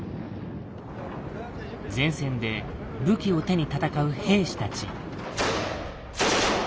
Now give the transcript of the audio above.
前線で武器を手に戦う兵士たち。